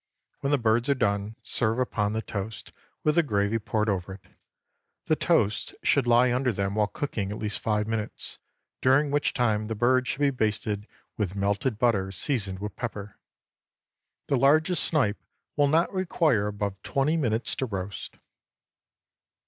When the birds are done, serve upon the toast, with the gravy poured over it. The toast should lie under them while cooking at least five minutes, during which time the birds should be basted with melted butter seasoned with pepper. The largest snipe will not require above twenty minutes to roast.